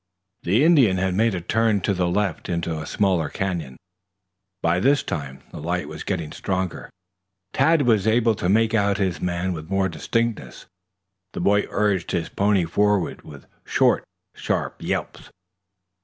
The Indian had made a turn to the left into a smaller canyon. By this time the light was getting stronger. Tad was able to make out his man with more distinctness. The boy urged his pony forward with short, sharp yelps.